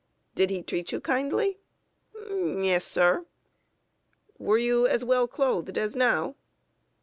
"Did he treat you kindly?" "Yes, sir." "Were you as well clothed as now?"